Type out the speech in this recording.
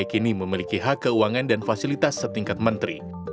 kini memiliki hak keuangan dan fasilitas setingkat menteri